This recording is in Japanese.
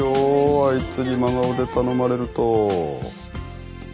あいつに真顔で頼まれると。